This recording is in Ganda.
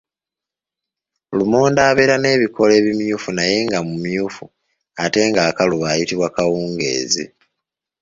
Lumonde abeera n’ebikoola ebimyufu naye nga mumyufu ate ng’akaluba ayitibwa kawungeezi.